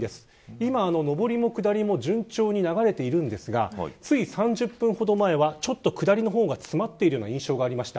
今は、上りも下りも順調に流れていますがつい３０分ほど前は下りの方がちょっと詰まっている印象がありました。